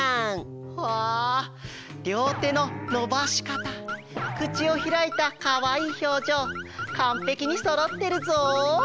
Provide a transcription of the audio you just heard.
りょうてののばしかたくちをひらいたかわいいひょうじょうかんぺきにそろってるぞ！